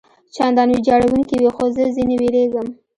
چندان ویجاړوونکي وي، خو زه ځنې وېرېږم.